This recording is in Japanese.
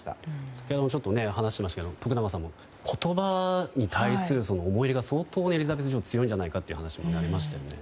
先ほども話しましたが徳永さん言葉に対する思い入れが相当、エリザベス女王は強いんじゃないかとおっしゃいましたよね。